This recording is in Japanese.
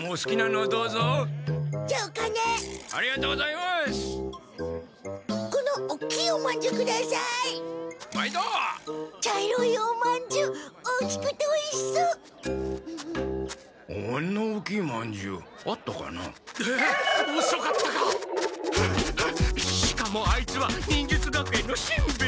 はあはあしかもあいつは忍術学園のしんべヱ！